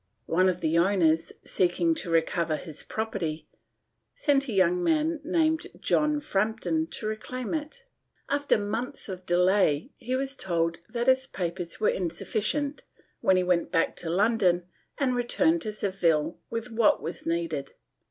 One of the owners, seeking to recover his property, sent a young man named John Frampton to reclaim it. After months of delay he was told that his papers were insufficient, when he went back to London and returned to Seville with what was needed.